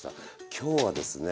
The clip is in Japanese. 今日はですね